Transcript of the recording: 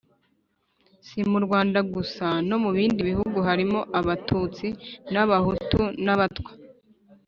si mu rwanda gusa: no mu bindi bihugu harimo abatutsi n’abahutu n’abatwa,